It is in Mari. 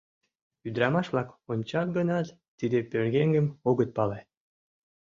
Ӱдырамаш-влак ончат гынат, тиде пӧръеҥым огыт пале.